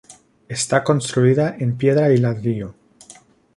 Está construida en piedra y ladrillo.